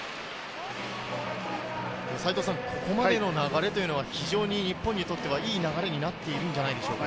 ここまでの流れというのは非常に日本にとってはいい流れになっているんじゃないでしょうか。